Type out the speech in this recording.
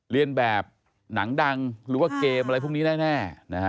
เรียนแบบหนังดังหรือว่าเกมอะไรพวกนี้แน่